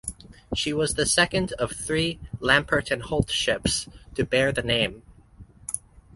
She was the second of three Lamport and Holt ships to bear the name.